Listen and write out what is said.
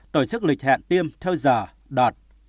tổ chức lịch hẹn tiêm theo giờ đoạt